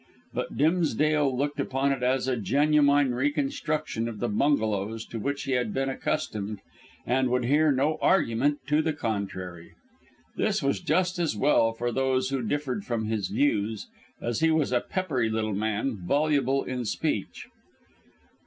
But Dimsdale looked upon it as a genuine reconstruction of the bungalows to which he had been accustomed, and would hear no argument to the contrary. This was just as well for those who differed from his views, as he was a peppery little man, voluble in speech.